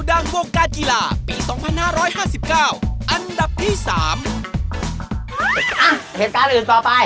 อ่ะเหตุการณ์อื่นต่อไป